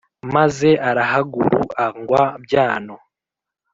Maze arahaguru angwa byano,